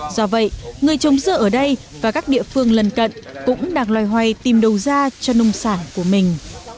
do vậy người trồng dưa ở đây và các địa phương lân cận cũng đang loay hoay tìm đầu ra cho nông sản của mình